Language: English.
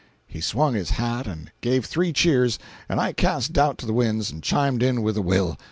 He swung his hat and gave three cheers, and I cast doubt to the winds and chimed in with a will.